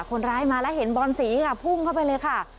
คนร้ายมาแล้วเห็นบอนสีค่ะพุ่งเข้าไปเลยค่ะ